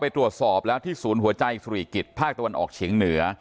ตรวจสอบแล้วที่ศูนย์หัวใจสุริกิจภาคตะวันออกเฉียงเหนือ